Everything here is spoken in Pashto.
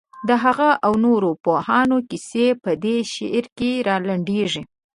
د هغه او نورو پوهانو کیسه په دې شعر کې رالنډېږي.